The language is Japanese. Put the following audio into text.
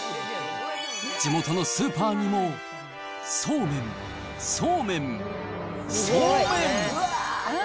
地元のスーパーにも、そうめん、そうめん、そうめん。